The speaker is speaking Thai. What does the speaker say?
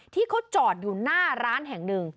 ที่เขาจอดอยู่หน้าร้านแห่งหนึ่ง